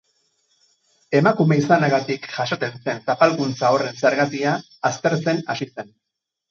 Emakume izanagatik jasaten zen zapalkuntza horren zergatia aztertzen hasi zen.